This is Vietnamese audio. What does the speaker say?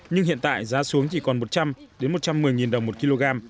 nhưng hiện tại giá xuống chỉ còn một trăm linh một trăm một mươi đồng một kg